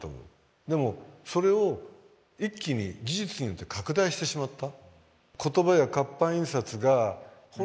でもそれを一気に技術によって拡大してしまった。